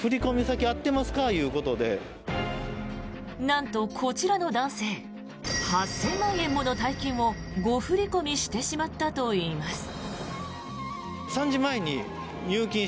なんと、こちらの男性８０００万円もの大金を誤振り込みしてしまったといいます。